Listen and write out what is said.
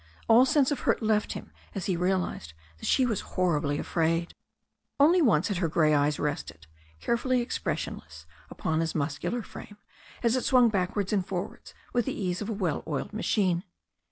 All sense of hurt left him as he realized that she was hor ribly afraid. Only once had her grey eyes rested, carefully expression less, upon his muscular frame, as it swung backwards and forwards with the ease of a well oiled machine.